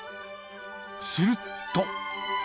すると。